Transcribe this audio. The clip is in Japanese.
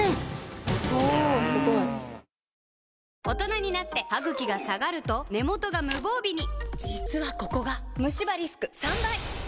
大人になってハグキが下がると根元が無防備に実はここがムシ歯リスク３倍！